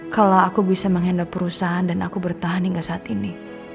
kalau aku bisa menghandle perusahaan dan aku bertahan hingga saat ini